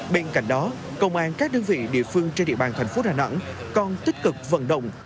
bên cạnh đó công an các đơn vị địa phương trên địa bàn thành phố đà nẵng còn tích cực vận động